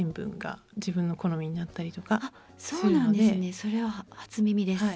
それは初耳です。